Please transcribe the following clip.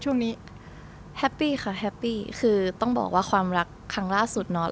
ช่วงนี้แฮปปี้ค่ะแฮปปี้คือต้องบอกว่าความรักครั้งล่าสุดเนาะ